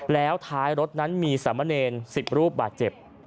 แล้วท้ายรถนั้นมีสามเณร๑๐รูปบาดเจ็บ